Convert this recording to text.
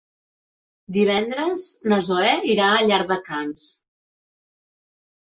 Divendres na Zoè irà a Llardecans.